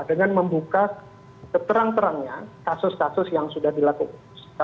dengan membuka seterang terangnya kasus kasus yang sudah dilakukan